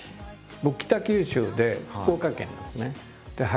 僕北九州で福岡県なんですね。